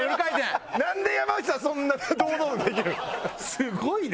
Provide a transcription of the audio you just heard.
すごいな。